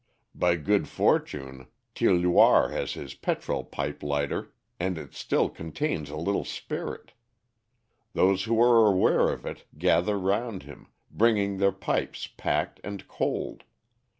By good fortune, Tirloir has his petrol pipe lighter and it still contains a little spirit. Those who are aware of it gather round him, bringing their pipes packed and cold.